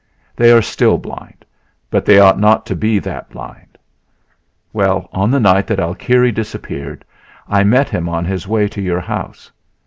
They are still blind, but they ought not to be that blind...Well, on the night that Alkire disappeared I met him on his way to your house.